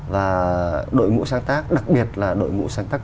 và đội ngũ sáng tác đặc biệt là đội ngũ sáng tác